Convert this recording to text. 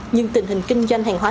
nhưng tình hình kinh doanh hàng hóa